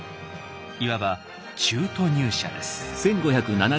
いわば中途入社です。